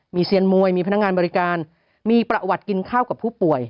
มีเซียนมวยมีพนักงานบริการมีประวัติกินข้าวกับผู้ป่วย